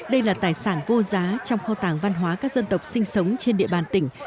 đây là tài sản vô giá trong kho tàng văn hóa các dân tộc sinh sống trên địa bàn tỉnh